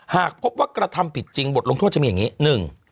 หากพบว่ากระทำผิดจริงบทลงโทษจะมีอย่างนี้หนึ่ง